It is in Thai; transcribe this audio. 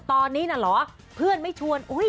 ตอนนี้น่ะเหรอเพื่อนไม่ชวน